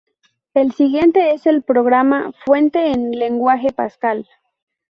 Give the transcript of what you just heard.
El siguiente es el programa fuente en lenguaje Pascal.